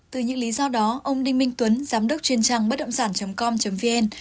từ những lý do đó ông đinh minh tuấn giám đốc chuyên trang bất động sản com vn